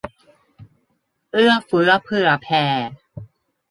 เอื้อเฟื้อเผื่อแผ่